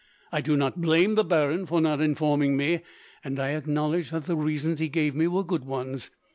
I do not blame the baron for not informing me, and I acknowledge that the reasons he gave me were good ones.